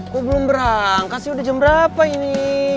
kok belum berangkat sih udah jam berapa ini